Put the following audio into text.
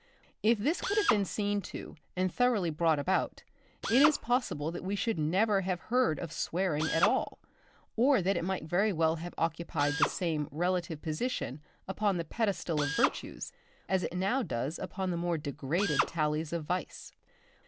If this could have been seen to, and thoroughly brought about, it is possible that we should never have heard of "swearing" at all, or that it might very well have occupied the same relative position upon the pedestal of virtues as it now does upon the more degraded tallies of vice.